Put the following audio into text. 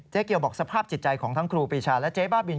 เกี่ยวบอกสภาพจิตใจของทั้งครูปีชาและเจ๊บ้าบิน